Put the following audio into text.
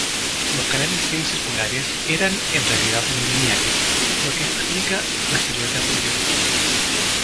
Los canales semicirculares eran en realidad muy lineales, lo que explica la silueta puntiaguda.